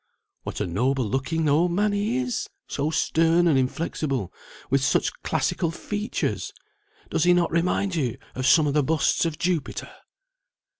"What a noble looking old man he is! so stern and inflexible, with such classical features! Does he not remind you of some of the busts of Jupiter?"